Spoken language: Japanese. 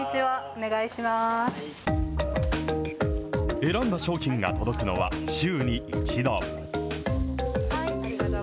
選んだ商品が届くのは週に１度。